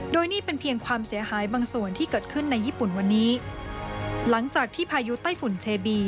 โดยนี่เป็นเพียงความเสียหายบางส่วนที่เกิดขึ้นในญี่ปุ่นวันนี้หลังจากที่พายุไต้ฝุ่นเชบี